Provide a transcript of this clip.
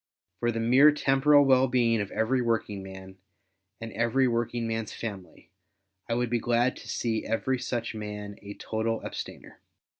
For the mere temporal well being of every working man, and every working man's family, I would be glad to see every such man a total abstainer.